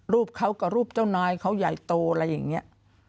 รูปเขากับรูปเจ้านายเขาใหญ่โตอะไรอย่างนี้